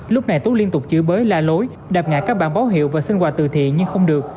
lúc này tú liên tục chữ bới la lối đạp ngại các bản báo hiệu và xin quà từ thiện nhưng không được